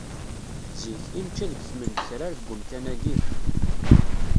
Zik, i nečča deg tmendekrar deg umkan-agi!